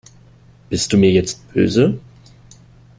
Bist du mir jetzt böse?